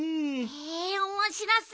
へえおもしろそう。